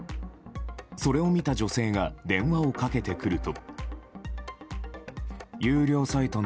それを見た女性が電話をかけてくると。